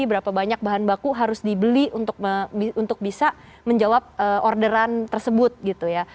berapa banyak bahan baku harus dibeli untuk bisa menjawab orderan tersebut gitu ya